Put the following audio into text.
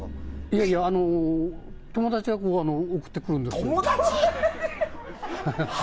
いやいや、友達が送ってくるんですよ。